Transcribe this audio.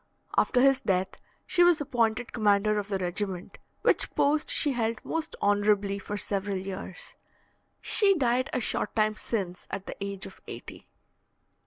After his death, she was appointed commander of the regiment, which post she held most honourably for several years. She died a short time since at the age of eighty.